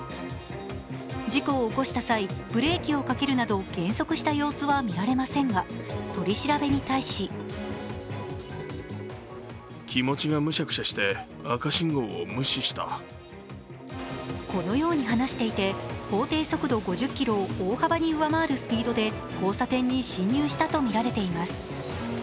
事故を起こした際、ブレーキをかけるなど減速した様子は見られませんが取り調べに対しこのように話していて、法定速度５０キロを大幅に上回るスピードで交差点に進入したとみられています。